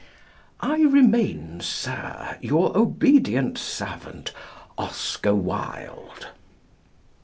I remain, Sir, your obedient servant, OSCAR WILDE.